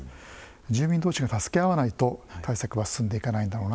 住民同士が助け合わないと対策は進んでいかないんだろうな